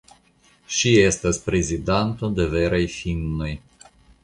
Ŝi estas prezidanto de Veraj finnoj.